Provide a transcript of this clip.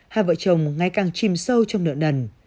hai vợ chồng ngày càng chìm sâu trong nợ nần